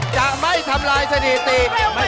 จะไม่ทำลายสถิติ